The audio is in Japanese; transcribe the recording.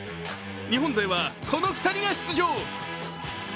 日本勢は、この２人が出場。